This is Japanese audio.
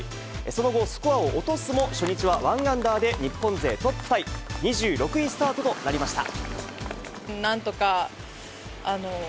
その後、スコアを落とすも、初日は１アンダーで日本勢トップタイ、２６位スタートとなりました。